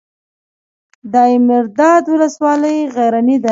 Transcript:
دایمیرداد ولسوالۍ غرنۍ ده؟